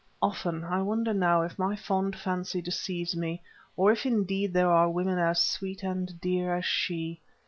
Often, I wonder now, if my fond fancy deceives me, or if indeed there are women as sweet and dear as she.